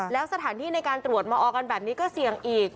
แล้วสถานที่ในการตรวจมาออกันแบบนี้ก็เสี่ยงอีก